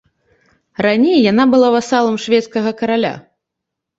Раней яна была васалам шведскага караля.